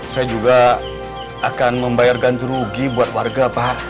saya juga akan membayar ganti rugi buat warga pak